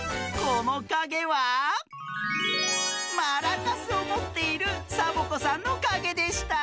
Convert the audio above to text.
このかげはマラカスをもっているサボ子さんのかげでした！